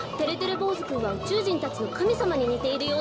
ぼうずくんはうちゅうじんたちのかみさまににているようですね。